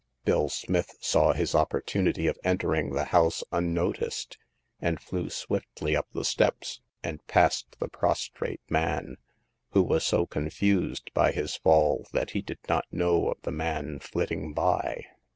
Bill Smith saw his opportunity of entering the house unnoticed, and flew swiftly up the steps, and past the prostrate man, who was so confused by his fall that he did not know of the man flitting by.